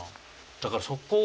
だからそこを。